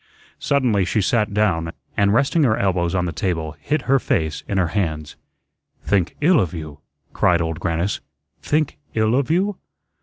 Suddenly she sat down, and resting her elbows on the table, hid her face in her hands. "Think ILL of you?" cried Old Grannis, "think ILL of you?